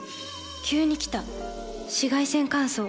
急に来た紫外線乾燥。